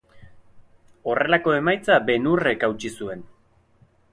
Horrelako emaitza Ben-Hurrek hautsi zuen.